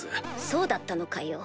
そうだったのかよ。